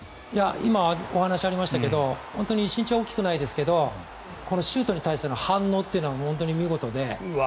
今お話がありましたけど本当に身長は大きくないですがシュートに対する反応というのが本当に見事で。